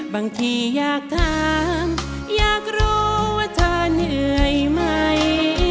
บางทีอยากถามอยากรู้ว่าเธอเหนื่อยไหม